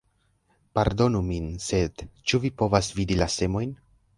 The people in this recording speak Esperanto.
Pardonu min, sed, ĉu vi povas vidi la semojn?